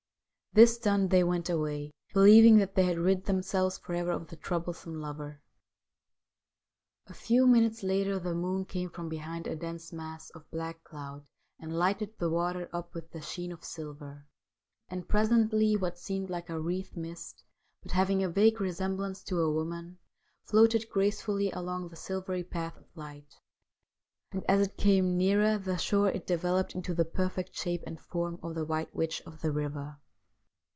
This done, they went away, believing that they had rid themselves for ever of the troublesome lover. A few minutes later the moon came from behind a dense mass of black cloud and lighted the water up with the sheen of silver, and presently what seemed like a wreath mist, but having a vague resemblance to a woman, floated gracefully along the silvery path of light, and as it came nearer the shore it developed into the perfect shape and form of ' The White Witch of the Eiver.'